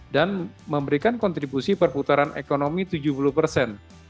dan memberikan kontribusi perputaran ekonomi tujuh puluh persen